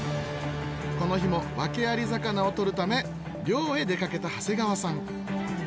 この日もワケアリ魚を取るため漁へ出かけた長谷川さん